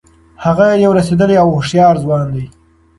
هغه یو رسېدلی او هوښیار ځوان دی.